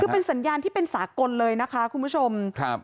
คือเป็นสัญญาณที่เป็นสากลเลยนะคะคุณผู้ชมครับ